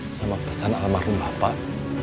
sama pesan alam marhum bapak